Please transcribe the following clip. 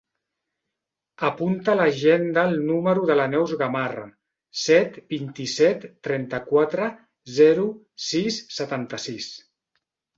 Apunta a l'agenda el número de la Neus Gamarra: set, vint-i-set, trenta-quatre, zero, sis, setanta-sis.